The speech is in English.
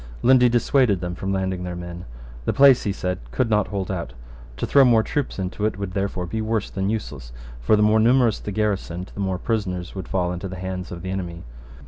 Lundy dissuaded them from landing their men. The place, he said, could not hold out. To throw more troops into it would therefore be worse than useless: for the more numerous the garrison, the more prisoners would fall into the hands of the enemy.